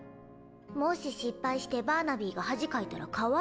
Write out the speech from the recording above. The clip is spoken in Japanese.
もし失敗してバーナビーが恥かいたらかわいそうだし！